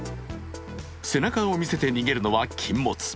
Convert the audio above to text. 背中を見せて逃げるのは禁物。